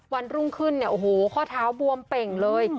วันรุ่งขึ้นข้อเท้าบวมเป่งเลย